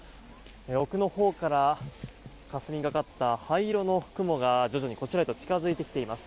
奥のほうからかすみがかった灰色の雲が徐々にこちらへと近付いてきています。